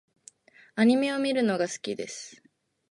アニメを見るのが好きです。